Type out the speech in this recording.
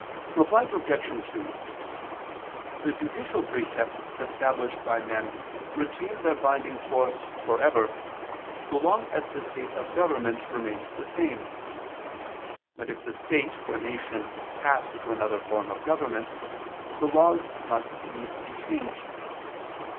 Reply Obj. 2: The judicial precepts established by men retain their binding force for ever, so long as the state of government remains the same. But if the state or nation pass to another form of government, the laws must needs be changed.